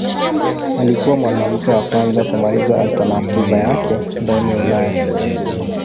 Alikuwa mwanamke wa kwanza kumaliza alternativa yake ndani ya Ulaya.